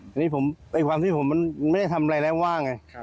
ทีนี้ความที่ผมมันไม่ได้ทำอะไรแล้วว่าไง